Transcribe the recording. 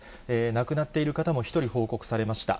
亡くなっている方も１人報告されました。